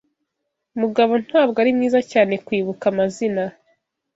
Mugabo ntabwo ari mwiza cyane kwibuka amazina.